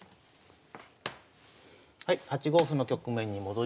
はい８五歩の局面に戻りました。